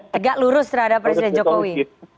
tegak lurus terhadap presiden jokowi